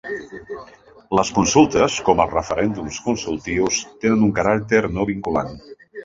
Les consultes, com els referèndums consultius, tenen un caràcter no vinculant.